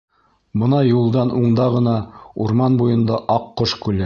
Бына юлдан уңда ғына, урман буйында, Аҡҡош күле.